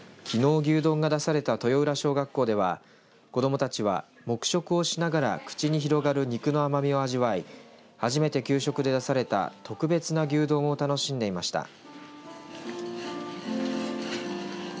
きのう、牛丼が出された豊浦小学校では子どもたちは、黙食をしながら口に広がる肉の甘みを味わい初めて給食で出された特別な牛丼を楽しんでいました。